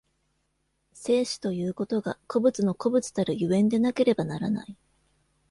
生死ということが個物の個物たる所以でなければならない。